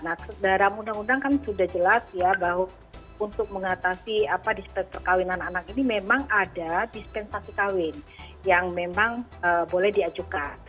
nah dalam undang undang kan sudah jelas ya bahwa untuk mengatasi perkawinan anak ini memang ada dispensasi kawin yang memang boleh diajukan